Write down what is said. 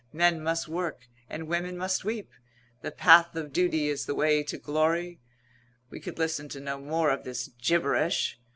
Men must work and women must weep. The path of duty is the way to glory " We could listen to no more of this gibberish.